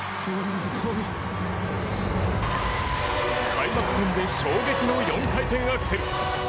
開幕戦で衝撃の４回転アクセル。